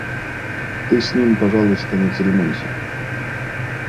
Ты с ним, пожалуйста, не церемонься.